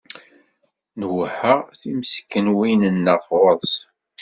Nwehha timeskenwin-nneɣ ɣur-s.